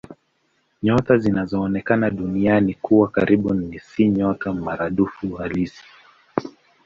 Nyota zinazoonekana Duniani kuwa karibu si nyota maradufu halisi.